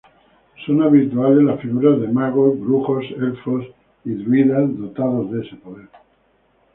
Son habituales las figuras de magos, brujos, elfos y druidas dotados de este poder.